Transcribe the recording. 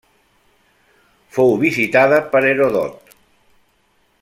Fou visitada per Heròdot.